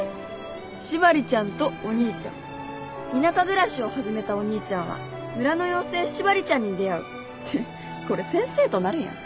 『しばりちゃんとお兄ちゃん』「田舎暮らしを始めたお兄ちゃんは村の妖精しばりちゃんに出会う」ってこれ先生となるやん。